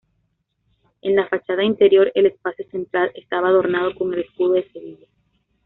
En la fachada interior el espacio central estaba adornado con el escudo de Sevilla.